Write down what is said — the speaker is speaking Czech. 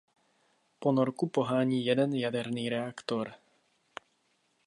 Ponorku pohání jeden jaderný reaktor.